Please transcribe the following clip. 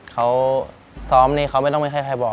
เขาซ้อมนี่เขาไม่ต้องมีให้ใครบอก